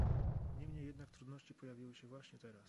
Niemniej jednak trudności pojawiły się właśnie teraz